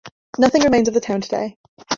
Nothing remains of the town today.